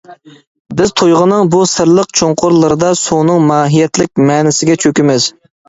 بىز تۇيغۇنىڭ بۇ سىرلىق چوڭقۇرلىرىدا سۇنىڭ ماھىيەتلىك مەنىسىگە چۆكىمىز.